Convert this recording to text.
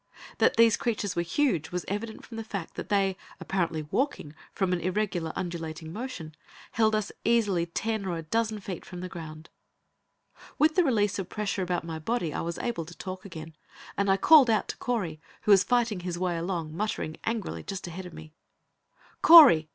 That these creatures were huge, was evident from the fact that they, apparently walking, from the irregular, undulating motion, held us easily ten or a dozen feet from the ground. With the release of the pressure about my body I was able to talk again, and I called out to Correy, who was fighting his way along, muttering, angrily, just ahead of me. "Correy!